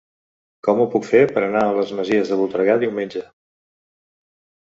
Com ho puc fer per anar a les Masies de Voltregà diumenge?